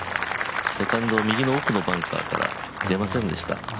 セカンド右の奥のバンカーから寄せられませんでした。